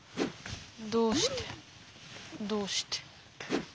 どうしてどうして。